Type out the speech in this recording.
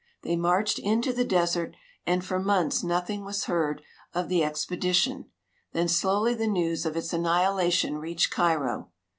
They marched into the desert, and for months nothing was heard of the expedition, then slowly the news of its annihilation reached Cairo.